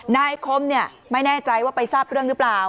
นายคมไม่แน่ใจว่าไปทราบเรื่องหรือเปล่า